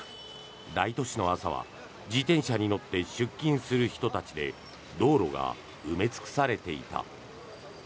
大都市の朝は自転車に乗って出勤する人たちで道路が埋め尽くされていた。